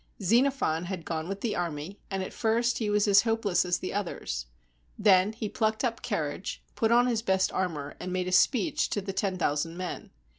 Xenophon had gone with the army, and at first he was as hopeless as the others. Then he plucked up courage, put on his best armor, and made a speech to the ten thousand men.